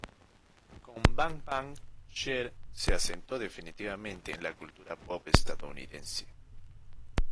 Con "Bang Bang", Cher se asentó definitivamente en la cultura pop estadounidense.